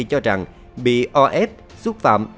cho rằng bị os xúc phạm